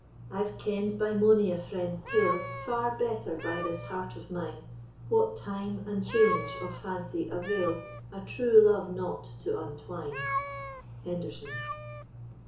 I've kend by mony a friend's tale, Far better by this heart of mine, What time and change of fancy avail A true love knot to untwine. HENDERSOUN.